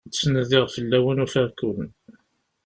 Ttnadiɣ fell-awen, ufiɣ-ken.